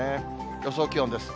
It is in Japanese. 予想気温です。